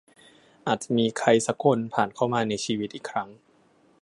อาจมีใครสักคนผ่านเข้ามาในชีวิตอีกครั้ง